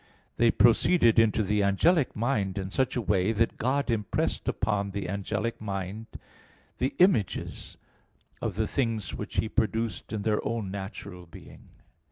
They proceeded into the angelic mind in such a way, that God impressed upon the angelic mind the images of the things which He produced in their own natural being.